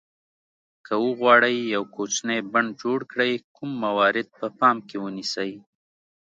که وغواړئ یو کوچنی بڼ جوړ کړئ کوم موارد په پام کې ونیسئ.